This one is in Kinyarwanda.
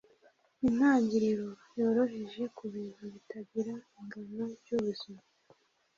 intangiriro yoroheje kubintu bitagira ingano byubuzima